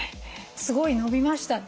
すごい伸びましたね。